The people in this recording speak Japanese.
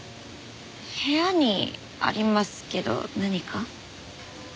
部屋にありますけど何か？